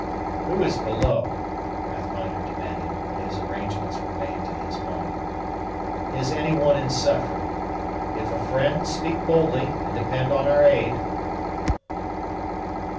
"Who is below?" Pathfinder demanded, when his arrangements were made to his mind. "Is any one in suffering? If a friend, speak boldly, and depend on our aid."